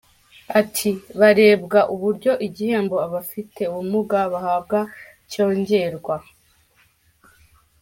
Ati “Barebwa uburyo igihembo abafite ubumuga bahabwa cyongerwa.